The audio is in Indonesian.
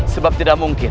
sebab tidak mungkin